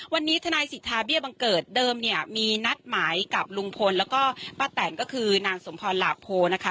วันนี้ทนายสิทธาเบี้ยบังเกิดเดิมเนี่ยมีนัดหมายกับลุงพลแล้วก็ป้าแตนก็คือนางสมพรหลาโพนะคะ